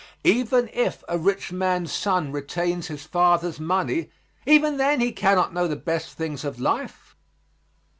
Even if a rich man's son retains his father's money even then he cannot know the best things of life.